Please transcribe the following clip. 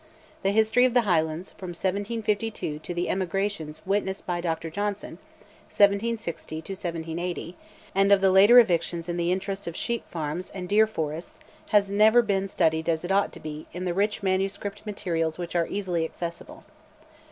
The History of the Highlands, from 1752 to the emigrations witnessed by Dr Johnson (1760 1780), and of the later evictions in the interests of sheep farms and deer forests, has never been studied as it ought to be in the rich manuscript materials which are easily accessible.